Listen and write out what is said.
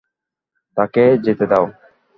তাকে যেতে দাও।